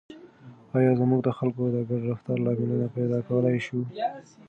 آیا موږ د خلکو د ګډ رفتار لاملونه پیدا کولای شو؟